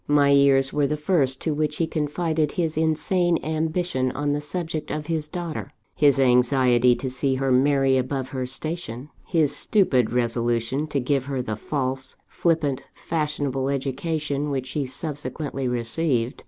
My ears were the first to which he confided his insane ambition on the subject of his daughter his anxiety to see her marry above her station his stupid resolution to give her the false, flippant, fashionable education which she subsequently received.